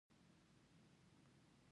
ما چیغې نشوې وهلی او یوازې مې ژړل